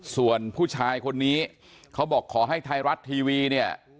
ส่วนผู้ชายคนนี้เขาบอกขอให้ไทยรัฐทีวีเนี่ย